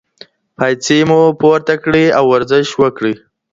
پایڅې مو پورته کړئ او ورزش وکړئ.